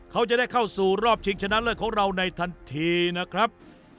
เขาจะได้เข้าสู่รอบชิงชนะเลิศของเราในทันทีนะครับ